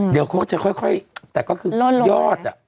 เดี๋ยวเขาก็จะค่อยแต่ก็คือยอดอ่ะ